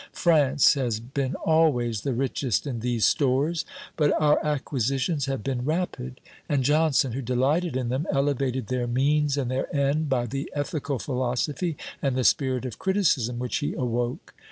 France has been always the richest in these stores, but our acquisitions have been rapid; and Johnson, who delighted in them, elevated their means and their end, by the ethical philosophy and the spirit of criticism which he awoke.